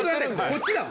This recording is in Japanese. こっちだ。